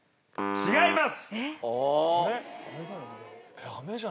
違います。